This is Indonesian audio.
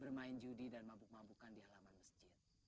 bermain judi dan mabuk mabukan di halaman masjid